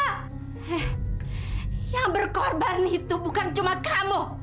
hei yang berkorban itu bukan cuma kamu